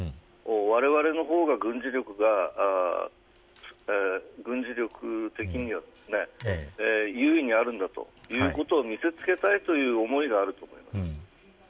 われわれの方が軍事力が軍事力的には優位にあるんだということを見せつけたいという思いがあると思います。